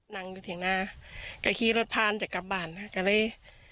นั่งอยู่เถียงหน้าก็ขี่รถผ่านจะกลับบ้านค่ะก็เลย